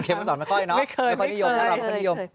เคยบังค์สอนแม่ก้อยเนอะรับผู้นิยมไม่เคยไม่เคย